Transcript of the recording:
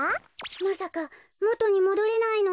まさかもとにもどれないの？